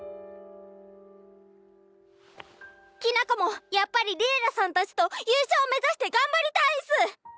きな子もやっぱり「Ｌｉｅｌｌａ！」さんたちと優勝目指して頑張りたいんす！